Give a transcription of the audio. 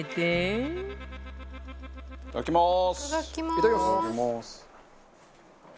奈緒：いただきます！